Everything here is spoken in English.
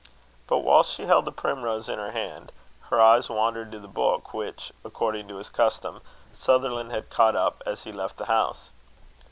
But while she held the primrose in her hand, her eyes wandered to the book which, according to his custom, Sutherland had caught up as he left the house.